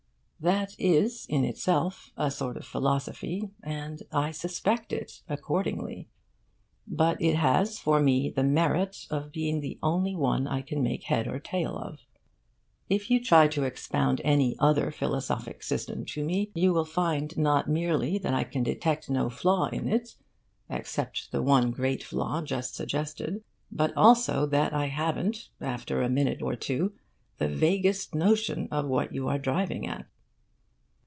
That is in itself a sort of philosophy, and I suspect it accordingly; but it has for me the merit of being the only one I can make head or tail of. If you try to expound any other philosophic system to me, you will find not merely that I can detect no flaw in it (except the one great flaw just suggested), but also that I haven't, after a minute or two, the vaguest notion of what you are driving at.